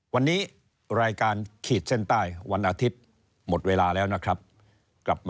วันนี้รายการขีดเส้นใต้วันอาทิตย์หมดเวลาแล้วนะครับกลับมา